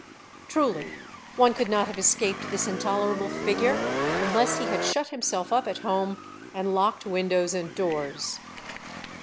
Truly, one could not have escaped this intolerable figure, unless he had shut himself up at home, and locked doors and windows.